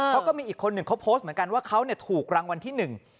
เขาก็มีอีกคนหนึ่งเขาโพสต์เหมือนกันว่าเขาเนี่ยถูกรางวัลที่หนึ่ง